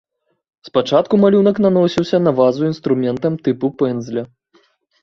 Спачатку малюнак наносіўся на вазу інструментам тыпу пэндзля.